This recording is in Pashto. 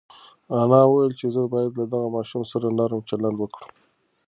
انا وویل چې زه باید له دغه ماشوم سره نرم چلند وکړم.